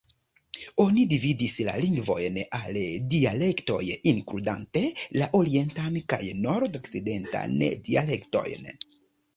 Oni dividis la lingvojn al dialektoj, inkludante la orientan kaj nord-okcidentan dialektojn.